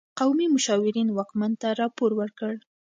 قومي مشاورین واکمن ته راپور ورکړ.